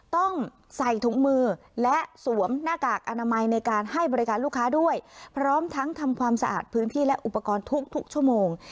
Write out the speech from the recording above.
ต้องใส่ถุงมือและสวมหน้ากากอนามัยในการให้บริการลูกค้าด้วยพร้อมทั้งทำความสะอาดพื้นที่และอุปกรณ์ทุกชั่วโมง